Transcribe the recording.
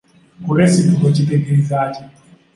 Kolesitulo kitegeeza ki?